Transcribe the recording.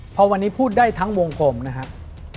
พอวันนี้พูดได้ทั้งวงกลมนะครับ